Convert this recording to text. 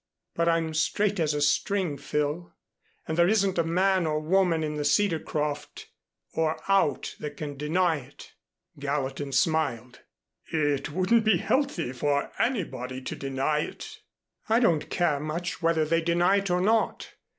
But I'm straight as a string, Phil, and there isn't a man or woman in the Cedarcroft or out that can deny it." Gallatin smiled. "It wouldn't be healthy for anybody to deny it." "I don't care much whether they deny it or not.